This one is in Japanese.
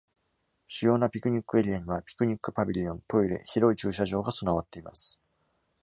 主要なピクニックエリアには、ピクニックパビリオン、トイレ、広い駐車場が備わっています。